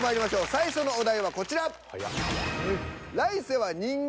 最初のお題はこちら。